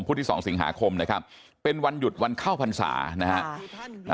ที่สองสิงหาคมนะครับเป็นวันหยุดวันเข้าพรรษานะฮะ